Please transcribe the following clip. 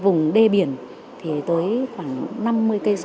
về đường vét biển thì tới khoảng năm mươi km